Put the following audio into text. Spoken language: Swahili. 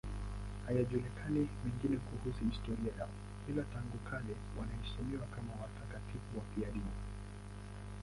Hayajulikani mengine kuhusu historia yao, ila tangu kale wanaheshimiwa kama watakatifu wafiadini.